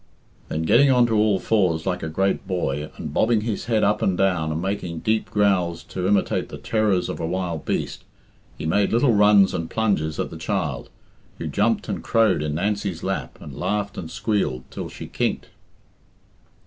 Then getting on to all fours like a great boy, and bobbing his head up and down and making deep growls to imitate the terrors of a wild beast, he made little runs and plunges at the child, who jumped and crowed in Nancy's lap and laughed and squealed till she "kinked."